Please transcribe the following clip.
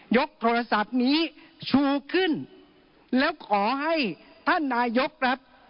กโทรศัพท์นี้ชูขึ้นแล้วขอให้ท่านนายกครับ